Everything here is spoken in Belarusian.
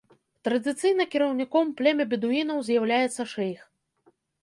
Традыцыйна кіраўніком племя бедуінаў з'яўляецца шэйх.